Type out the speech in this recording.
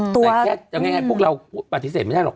แต่แค่เอาง่ายพวกเราปฏิเสธไม่ได้หรอก